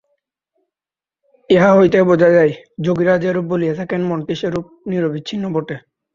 ইহা হইতেই বোঝা যায়, যোগীরা যেরূপ বলিয়া থাকেন মনটি সেরূপ নিরবচ্ছিন্নই বটে।